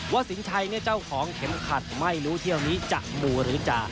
สินชัยเนี่ยเจ้าของเข็มขัดไม่รู้เที่ยวนี้จะดูหรือจะ